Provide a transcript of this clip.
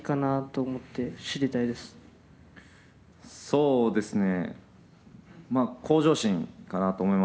そうですね。